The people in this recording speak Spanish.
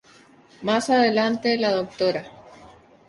Más adelante, la Dra.